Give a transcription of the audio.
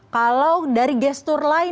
kalau dari gesture lain